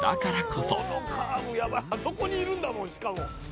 このカーブやばいあそこにいるんだもん、しかも。